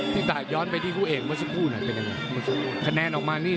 พี่ป๊ายย้อนไปที่ผู้เอกเมื่อสักครู่หน่อยเป็นยังไงคะแนนออกมานี่๔๙๔๘